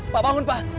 pak bangun pak